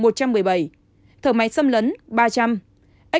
thở máy xâm lấn ba trăm linh